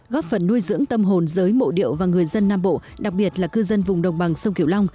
góp phần nuôi dưỡng tâm hồn giới mộ điệu và người dân nam bộ đặc biệt là cư dân vùng đồng bằng sông kiểu long